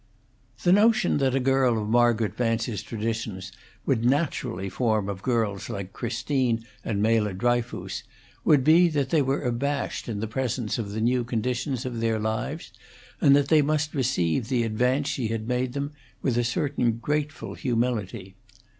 The notion that a girl of Margaret Vance's traditions would naturally form of girls like Christine and Mela Dryfoos would be that they were abashed in the presence of the new conditions of their lives, and that they must receive the advance she had made them with a certain grateful humility.